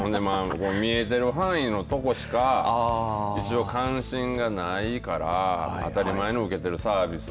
見えてる範囲のところしか日常関心がないから当たり前に受けてるサービス